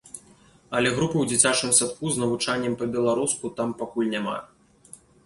Але групы ў дзіцячым садку з навучаннем па-беларуску там пакуль няма.